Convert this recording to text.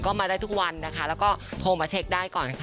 ก็มาได้ทุกวันนะคะแล้วก็โทรมาเช็คได้ก่อนค่ะ